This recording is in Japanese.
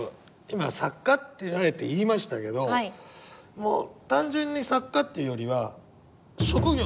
今作家ってあえて言いましたけど単純に作家っていうよりは職業